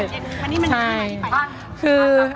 อย่างที่บอกไปว่าเรายังยึดในเรื่องของข้อ